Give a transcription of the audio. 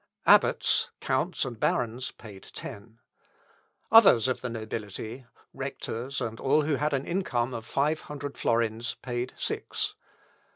Abbots, counts, and barons, paid ten. Others of the nobility, rectors, and all who had an income of five hundred florins, paid six.